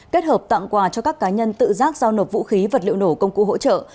kết hợp tặng quà cho các cá nhân tự giác giao nộp vũ khí vật liệu nổ công cụ hỗ trợ